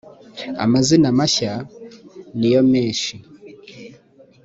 amazina na mashya niyomeshi.